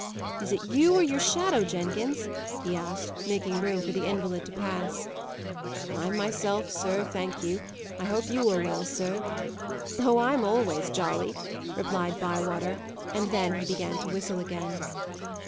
"Is it you, or your shadow, Jenkins?" he asked, making room for the invalid to pass. "It's myself, sir, thank you. I hope you are well, sir." "Oh, I'm always jolly," replied Bywater, and then he began to whistle again.